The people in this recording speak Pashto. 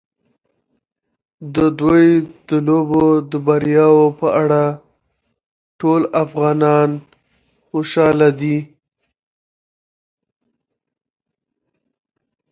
د دوی د لوبو د بریاوو په اړه ټول افغانان خوشاله دي.